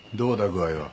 具合は。